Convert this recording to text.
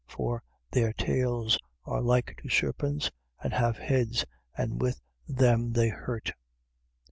For, their tails are like to serpents and have heads: and with them they hurt.